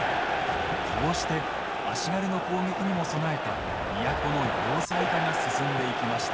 こうして足軽の攻撃にも備えた都の要塞化が進んでいきました。